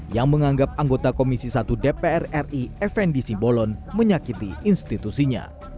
yang menganggap anggota komisi satu dpr ri fnd simbolon menyakiti institusinya